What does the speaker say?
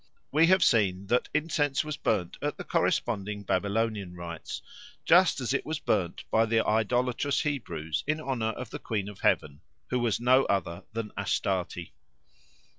We have seen that incense was burnt at the corresponding Babylonian rites, just as it was burnt by the idolatrous Hebrews in honour of the Queen of Heaven, who was no other than Astarte.